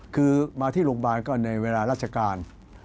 คือมาที่โรงพยาบาลก็ในเวลาราชการ